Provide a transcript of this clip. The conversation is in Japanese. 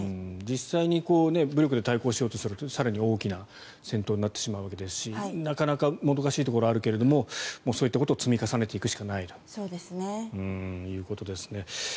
実際に武力で対抗しようとすると更に大きな戦闘になってしまうわけですしなかなかもどかしいところがあるけどそういったことを積み重ねていくしかないということですね。